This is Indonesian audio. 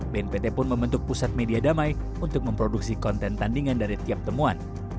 bnpt pun membentuk pusat media damai untuk memproduksi konten tandingan dari tiap temuan